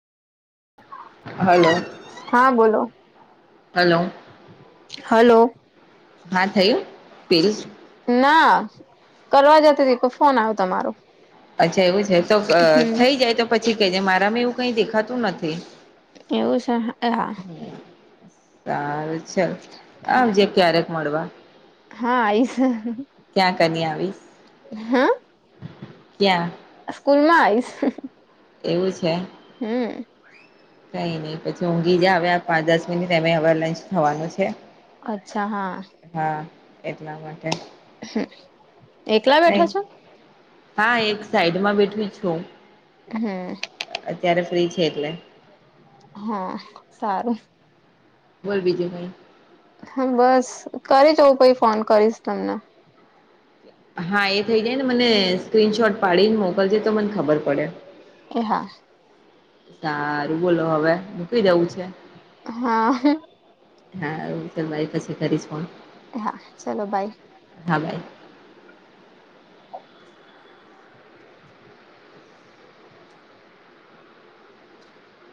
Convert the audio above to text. Hello, હા બોલો hello hello હા થયું. બિલ ના કરવા જતીતી પણ ફોન આવ્યો તમારો અચ્છા એવું છે તો અ હમ થઈ જાય તો પછી કે જે મારામાં એવું કઈ દેખાતું નથી. એવું છે, એ હા સારું ચલ, હા આવજે ક્યારેક મળવા. હા, આઈસ. ક્યાં કની આવીશ? હા ક્યાં. સ્કૂલમાં આવીશ. એવું છે, હું. કંઈ નહી પછી ઊંઘીજા હવે આ પાંચ દસ મિનિટ એમેય હવે લંચ થવાનું છે. અચ્છા હા. હા એટલાં માટે, હું. એકલા કઈ બેઠા છો. હા, એક સાઈડમાં બેઠી છું, હું, અત્યારે ફ્રી છે. એટલે હા. સારું. બોલ બીજુ કંઇ. હા બસ. કરી જોઉં પછી ફોન કરીશ તમને. હા. એ થઇ જાયને. મને સ્ક્રીનશોટ પાડીને મોકલજે તો મને ખબર પડે. એહા. સારું બોલો હવે મૂકી દેવું છે. હા, હ. હારુ ચાલ બાય. પછી કરીશ ફોન. એહા, ચલો બાય. હા બાય.